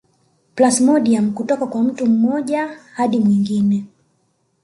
Plasmodiam kutoka kwa mtu mmoja hadi mwingine